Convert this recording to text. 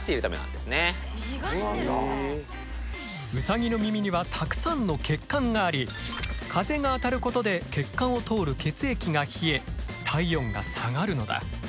ウサギの耳にはたくさんの血管があり風が当たることで血管を通る血液が冷え体温が下がるのだ。